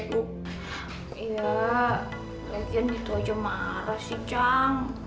ya latihan gitu aja marah sih cang